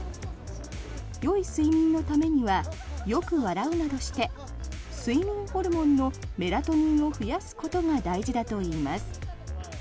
よい睡眠のためにはよく笑うなどして睡眠ホルモンのメラトニンを増やすことが大事だといいます。